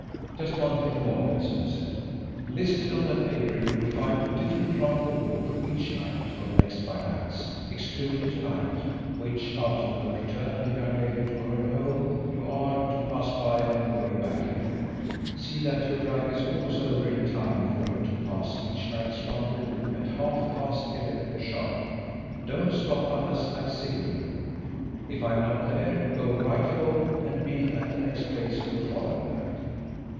"Just one thing more, Benson," he said: "Listed on that paper you will find a different rendezvous for each night for the next five nights, excluding to night, which, after you have returned the young lady to her home, you are to pass by on your way back here. See that your drive is always over in time for you to pass each night's rendezvous at half past eleven sharp. Don't stop unless I signal you. If I am not there, go right on home, and be at the next place on the following night.